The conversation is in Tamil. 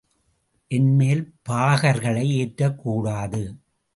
என் மேல் பாகர்களை ஏற்றக்கூடாது.